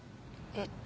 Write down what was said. えっ？